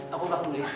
aku belakang dulu ya